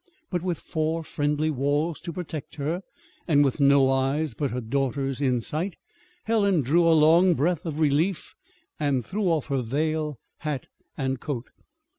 But with four friendly walls to protect her, and with no eyes but her daughter's in sight, Helen drew a long breath of relief, and threw off her veil, hat, and coat.